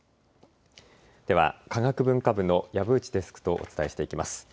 では科学文化部の籔内デスクとお伝えしていきます。